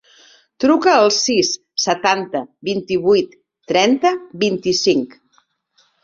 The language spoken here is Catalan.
Truca al sis, setanta, vint-i-vuit, trenta, vint-i-cinc.